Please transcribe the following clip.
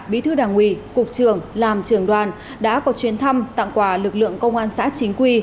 bí thư đảng ủy cục trưởng làm trưởng đoàn đã có chuyến thăm tặng quà lực lượng công an xã chính quy